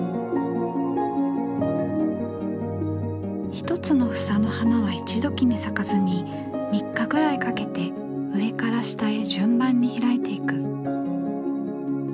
１つの房の花はいちどきに咲かずに３日くらいかけて上から下へ順番に開いていく。